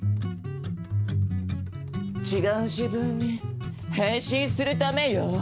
ちがう自分にへんしんするためよ。